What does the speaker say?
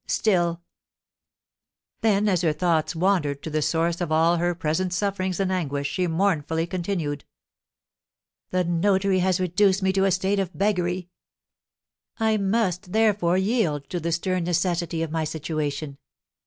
Still " Then, as her thoughts wandered to the source of all her present sufferings and anguish, she mournfully continued: "The notary has reduced me to a state of beggary; I must, therefore, yield to the stern necessity of my situation.